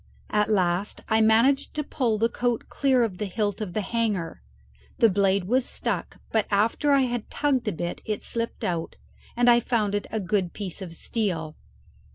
At last I managed to pull the coat clear of the hilt of the hanger; the blade was stuck, but after I had tugged a bit it slipped out, and I found it a good piece of steel.